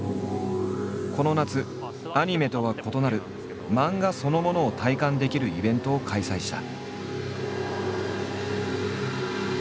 この夏アニメとは異なる漫画そのものを体感できるイベントを開催した。